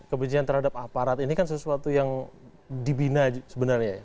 kebencian terhadap aparat ini kan sesuatu yang dibina sebenarnya ya